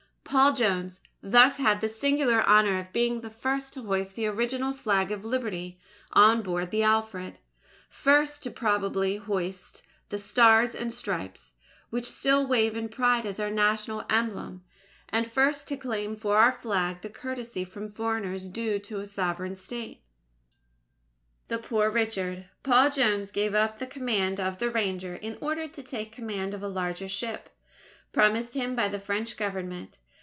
Paul Jones thus had the singular honor of being the first to hoist the original Flag of Liberty on board the Alfred; first probably to hoist the Stars and Stripes, which still wave in pride as our national emblem; and first to claim for our Flag the courtesy from foreigners due to a Sovereign State. Alexander S. Mackenzie (Retold) THE POOR RICHARD Paul Jones gave up the command of the Ranger in order to take command of a larger ship, promised him by the French Government.